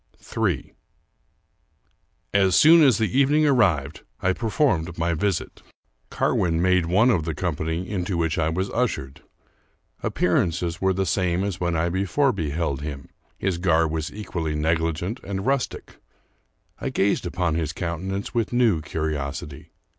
Ill As soon as evening arrived, I performed my visit. Car win made one of the company into which I was ushered. 242 Charles Brockdcn Brozmi Appearances were the same as when I before beheld him. His garb was equally negligent and rustic. I gazed upon his countenance with new curiosity.